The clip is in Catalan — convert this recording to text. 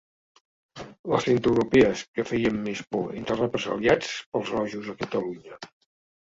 Les centreeuropees que feien més por entre els represaliats pels rojos a Catalunya.